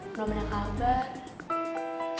belum ada kabar